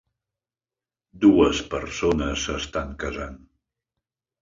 Dues persones s"estan casant.